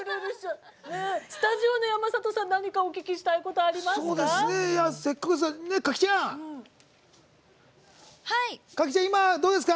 スタジオの山里さん何かお聞きしたいことありますか。